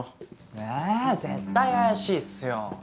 ええ絶対怪しいっすよ。